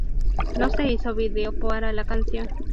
No se hizo video para la canción.